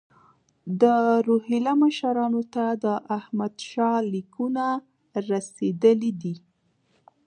د روهیله مشرانو ته د احمدشاه لیکونه رسېدلي دي.